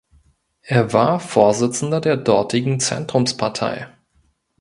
Er war Vorsitzender der dortigen Zentrumspartei.